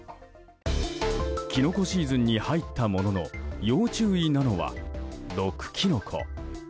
キノコシーズンに入ったものの要注意なのは毒キノコ。